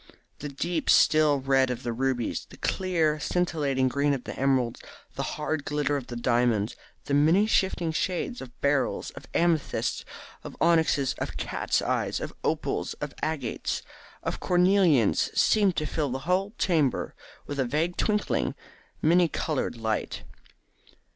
The deep still red of the rubies, the clear scintillating green of the emeralds, the hard glitter of the diamonds, the many shifting shades of beryls, of amethysts, of onyxes, of cats' eyes, of opals, of agates, of cornelians seemed to fill the whole chamber with a vague twinkling, many coloured light.